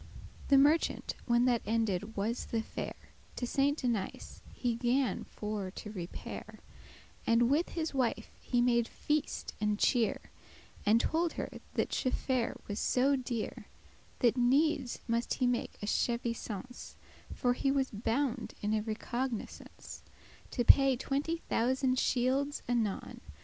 The merchant, when that ended was the fair, To Saint Denis he gan for to repair, And with his wife he made feast and cheer, And tolde her that chaffare* was so dear, *merchandise That needes must he make a chevisance;* *loan <11> For he was bound in a recognisance To paye twenty thousand shields* anon.